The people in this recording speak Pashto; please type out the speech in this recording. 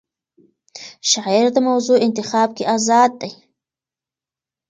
شاعر د موضوع انتخاب کې آزاد دی.